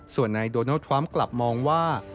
ส่วนนายโดนัลดทรัมป์กลับมองว่า